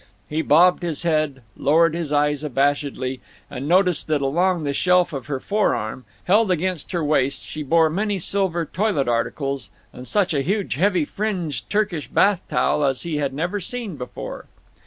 He bobbed his head, lowered his eyes abashedly, and noticed that along the shelf of her forearm, held against her waist, she bore many silver toilet articles, and such a huge heavy fringed Turkish bath towel as he had never seen before.